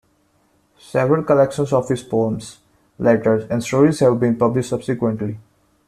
Several collections of his poems, letters and stories have been published subsequently.